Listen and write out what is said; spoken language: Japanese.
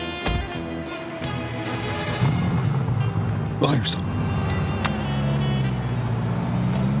わかりました。